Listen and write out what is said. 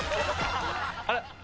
あれ？